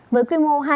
với quy mô hai